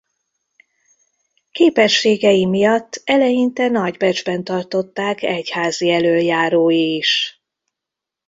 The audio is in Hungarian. Képességei miatt eleinte nagy becsben tartották egyházi elöljárói is.